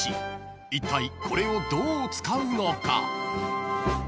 ［いったいこれをどう使うのか？］